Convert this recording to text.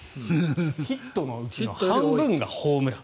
ヒットのうちの半分がホームラン。